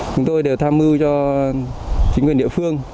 chúng tôi đều tham mưu cho chính quyền địa phương